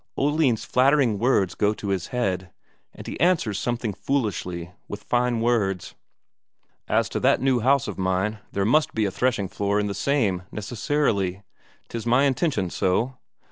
Oline's flattering words go to his head, and he answers something foolishly with fine words: "As to that new house of mine, there must be a threshing floor in the same, necessarily. 'Tis my intention so."